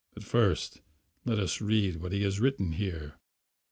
But, first, let us read what he has written here."